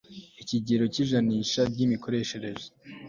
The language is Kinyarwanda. ikigero cy ijanisha ry imikoreshereze